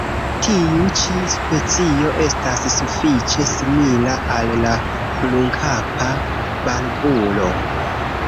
Tiu ĉi specio estas sufiĉe simila al la Brunkapa barbulo.